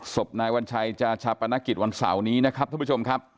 ศพนายวัญชัยจะชาปนกิจวันเสาร์นี้นะครับท่านผู้ชมครับ